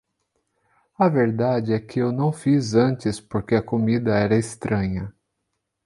A verdade é que eu não fiz antes porque a comida era estranha.